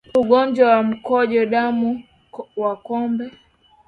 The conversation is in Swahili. Ugonjwa wa mkojo damu kwa ngombe